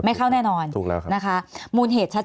มีความรู้สึกว่ามีความรู้สึกว่า